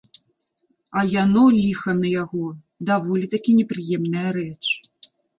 А яно, ліха на яго, даволі такі непрыемная рэч.